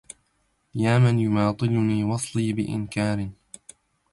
يا من يماطلني وصلي بإنكار